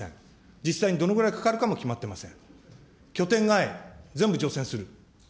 実際にどのぐらいかかるかも決まってません。